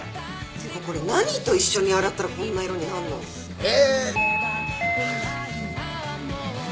ていうかこれ何と一緒に洗ったらこんな色になるの？え。